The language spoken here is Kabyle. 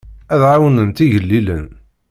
Ad ɛawnent igellilen.